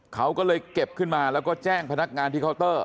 เขาก็เลยเก็บขึ้นมาแล้วก็แจ้งพนักงานที่เคาน์เตอร์